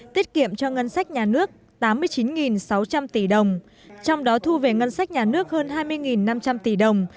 tiết kiệm cho ngân sách nhà nước tám mươi chín sáu trăm linh tỷ đồng trong đó thu về ngân sách nhà nước hơn hai mươi năm trăm linh tỷ đồng